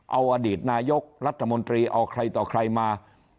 เอาอดีตนายกรัฐมนตรีเอาใครต่อใครมา